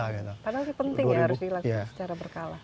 padahal itu penting ya harus dilakukan secara berkala